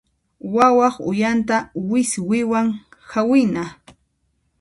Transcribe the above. Wawaq uyanta wiswiwan hawina.